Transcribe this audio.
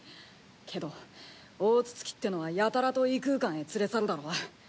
けど大筒木ってのはやたらと異空間へ連れ去るだろう？